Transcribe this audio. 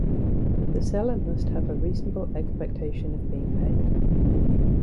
The seller must have a reasonable expectation of being paid.